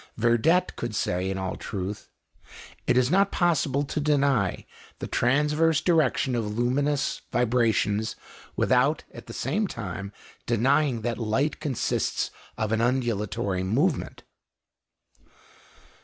Verdet could say, in all truth, "It is not possible to deny the transverse direction of luminous vibrations, without at the same time denying that light consists of an undulatory movement."